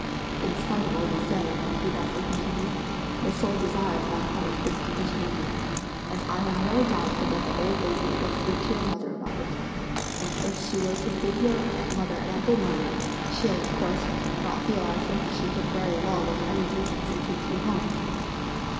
"In spite of all you say," he therefore continued, "the sole desire of my heart is to detain you; and I have no doubt but that the old lady will speak to your mother about it; and if she were to give your mother ample money, she'll, of course, not feel as if she could very well with any decency take you home!"